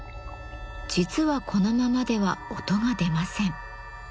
実はこのままでは音が出ません。